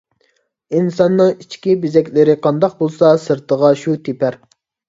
ئىنساننىڭ ئىچكى بېزەكلىرى قانداق بولسا سىرتىغا شۇ تېپەر.